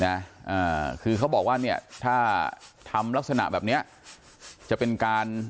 อ่าคือเขาบอกว่าเนี่ยถ้าทำลักษณะแบบเนี้ยจะเป็นการ